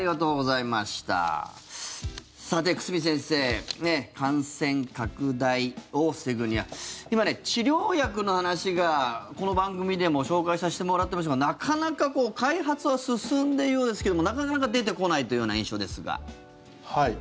さて久住先生感染拡大を防ぐには今ね、治療薬の話がこの番組でも紹介させてもらってましたがなかなか開発は進んでいるようですけれどもなかなか出てこないというような印象ですが。